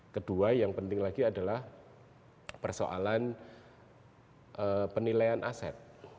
kedua yang penting lagi adalah persoalan penilaian aset